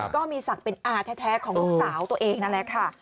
ก็มีศักดิ์เป็นอาแท้ของลูกสาวตัวเองนั่นแหละค่ะ